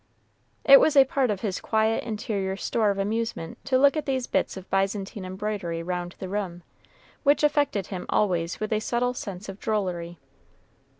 It was a part of his quiet interior store of amusement to look at these bits of Byzantine embroidery round the room, which affected him always with a subtle sense of drollery.